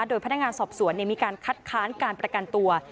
โดยพนักงานสอบสวนมีการคัดค้านการประกันตัว